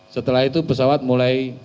setelah itu pesawat mulai